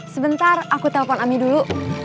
sebentar aku telpon ami dulu